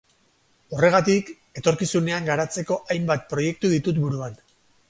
Horregatik, etorkizunean garatzeko hainbat proiektu ditut buruan.